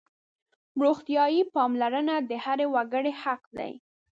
روغتیايي پاملرنه د هر وګړي حق دی.